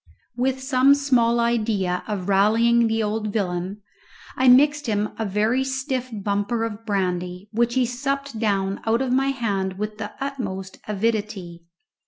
With some small idea of rallying the old villain, I mixed him a very stiff bumper of brandy, which he supped down out of my hand with the utmost avidity.